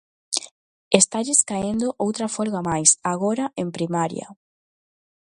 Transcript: Estalles caendo outra folga máis, agora en primaria.